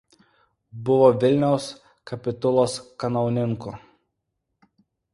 Buvo Vilniaus kapitulos kanauninku.